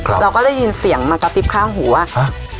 เราก็ได้ยินเสียงมากระซิบข้างหูว่าฮะ